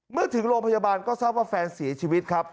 ถึงโรงพยาบาลก็ทราบว่าแฟนเสียชีวิตครับ